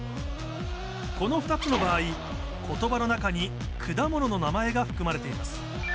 この２つの場合言葉の中に果物の名前が含まれています